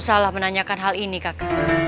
aduh sakit wak